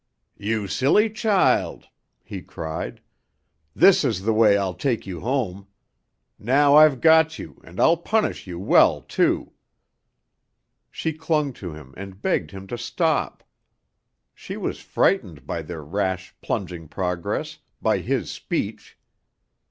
"You silly child!" he cried. "This is the way I'll take you home. Now I've got you, and I'll punish you well, too." She clung to him and begged him to stop. She was frightened by their rash, plunging progress, by his speech.